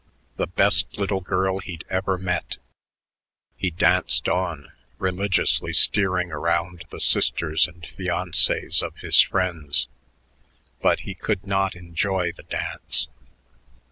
The best little girl he'd ever met.... He danced on, religiously steering around the sisters and fiancées of his friends, but he could not enjoy the dance.